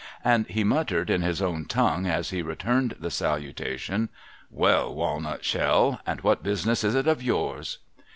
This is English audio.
And he muttered, in his own tongue, as he returned the salutation, 'AVell, walnut shell ! And what business is it of jours?'